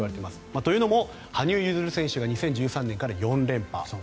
というのも羽生結弦さんが２０１３年から４連覇。